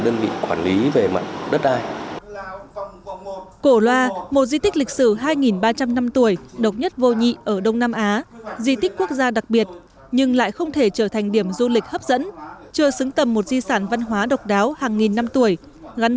di tích cổ loa được công nhận là di tích quốc gia đặc biệt có giá trị về lịch sử kiến trúc nghệ thuật và hoạch định